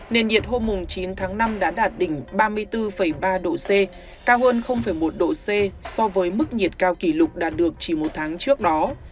nền nhiệt hôm chín tháng năm đã đạt đỉnh ba mươi bốn ba độ c cao hơn một độ c so với mức nhiệt cao kỷ lục đạt được chỉ một tháng trước đó